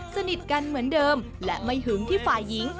สนิทกันเหมือนเดิมและไม่หึงที่ฝ่ายหญิง